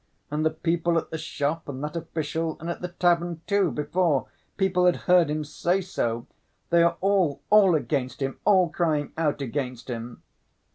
And the people at the shop, and that official, and at the tavern, too, before, people had heard him say so! They are all, all against him, all crying out against him."